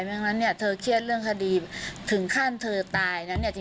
เพราะฉะนั้นเธอเครียดเรื่องคดีถึงขั้นเธอตายนะ